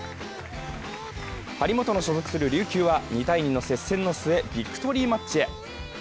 張本の所属する琉球は２−２の接戦の末、ビクトリーマッチへ。